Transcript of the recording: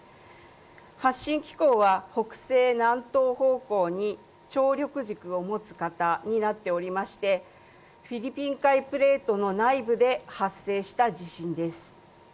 発震機構は北西・南東方向に長距離軸を持つ形になっていてフィリピン海プレートの内部で発生した地震です。